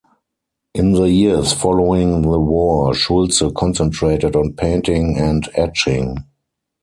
In the years following the war, Schulze concentrated on painting and etching.